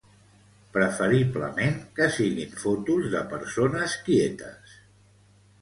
Preferiblement que siguin fotos de persones quietes.